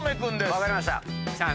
分かりました。